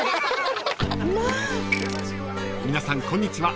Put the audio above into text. ［皆さんこんにちは